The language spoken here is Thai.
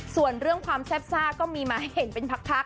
ส่วนเรื่องความแซ่บซ่าก็มีมาให้เห็นเป็นพัก